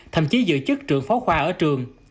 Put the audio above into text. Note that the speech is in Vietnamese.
thậm chí dự chức trưởng phó khoa ở trường